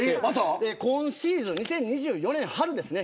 今シーズン２０２４年の春ですね